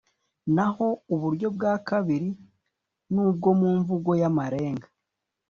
naho uburyo bwa kabiri n’ubwo mu mvugo y’amarenga